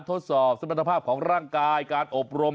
ทดสอบสมรรถภาพของร่างกายการอบรม